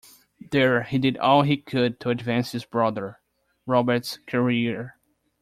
There he did all he could to advance his brother, Robert's career.